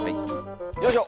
よいしょ。